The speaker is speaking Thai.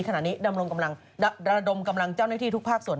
ขณะนี้ดำระดมกำลังเจ้าหน้าที่ทุกภาคส่วน